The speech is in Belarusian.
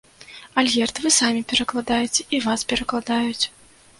Альгерд, вы самі перакладаеце і вас перакладаюць.